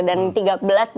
dan tiga belas ke tujuh pun